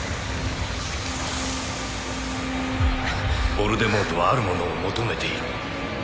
ヴォルデモートはあるものを求めている